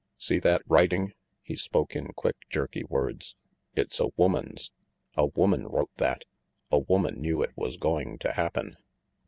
"See that writing!" he spoke in quick, jerky words. "It's a woman's. A woman wrote that! A woman knew it was going to happen."